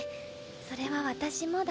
それは私もだ。